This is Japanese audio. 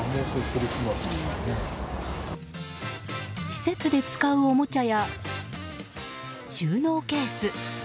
施設で使うおもちゃや収納ケース。